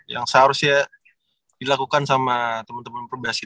yang seharusnya dilakukan sama temen temen berbahasa indonesia